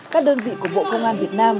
các đơn vị của bộ công an việt nam